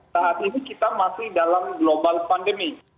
saat ini kita masih dalam global pandemi